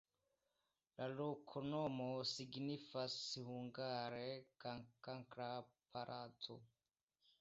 La loknomo signifas hungare: kankra-palaco.